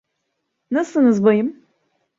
Nasılsınız bayım?